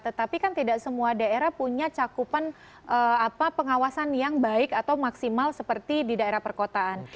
tetapi kan tidak semua daerah punya cakupan pengawasan yang baik atau maksimal seperti di daerah perkotaan